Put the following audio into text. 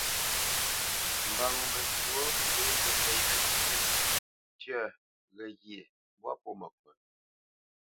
Mbə ŋo məshwǒ məlě məntyénə: tyə̂, ghəghye, mbwâ pô məkot.